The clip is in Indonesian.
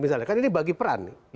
misalnya kan ini bagi peran nih